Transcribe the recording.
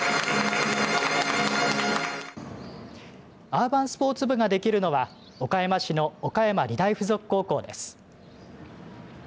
アーバンスポーツ部ができるのは岡山市の岡山理大付属高校です。